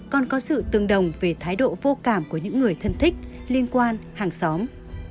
còn có sự tương đồng về thái độ vô cảm của những người thân thích liên quan hàng xóm